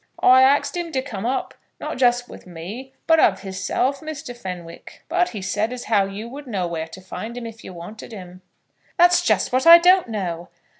"I axed him to come up, not just with me, but of hisself, Mr. Fenwick; but he said as how you would know where to find him if you wanted him." "That's just what I don't know.